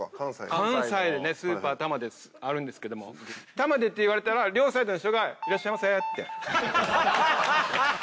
関西でスーパー玉出ってあるんですけども玉出って言われたら両サイドの人が「いらっしゃいませ」って。